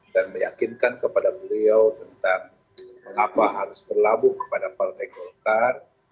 dan meyakinkan kepada beliau tentang mengapa harus berlabuh kepada partai golkar